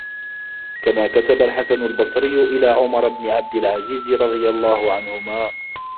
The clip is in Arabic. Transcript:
كَمَا كَتَبَ الْحَسَنُ الْبَصْرِيُّ إلَى عُمَرَ بْنِ عَبْدِ الْعَزِيزِ رَضِيَ اللَّهُ عَنْهُمَا